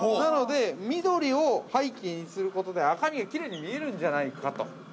緑を背景にすることで、赤身がきれいに見えるんじゃないかと。